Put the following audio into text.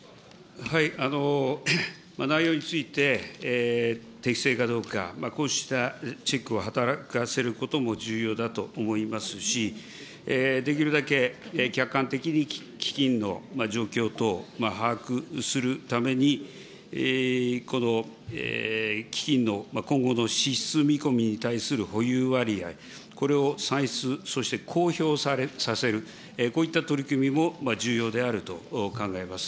内容について適正かどうか、こうしたチェックを働かせることも重要だと思いますし、できるだけ客観的に基金の状況等、把握するために、この基金の今後の支出見込みに対する保有割合、これを算出、そして公表させる、こういった取り組みも重要であると考えます。